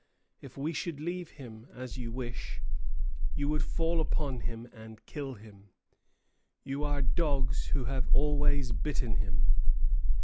If we should leave him, as you wish, you would fall upon him and kill him. You are dogs who have always bitten him.